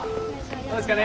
どうですか？